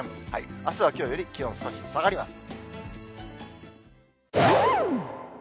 あすはきょうより気温、少し下がります。